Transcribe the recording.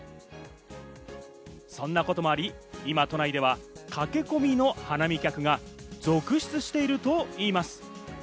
そんなこともあり、今都内では駆け込みの花見客が続出しているといいます。